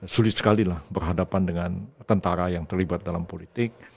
sulit sekali lah berhadapan dengan tentara yang terlibat dalam politik